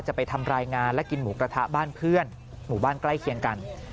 จะไปทำรายงานและกินหมูกระทะบ้านเพื่อนหมู่บ้านใกล้เคียงกัน